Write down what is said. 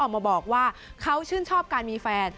มาบอกว่าเขาชื่นชอบการมีแฟน